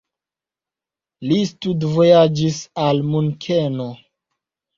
Li studvojaĝis al Munkeno.